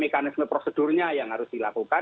mekanisme prosedurnya yang harus dilakukan